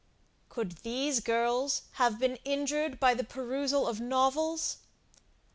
Could these girls have been injured by the perusal of novels?